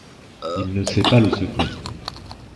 Il ne sait pas le secret.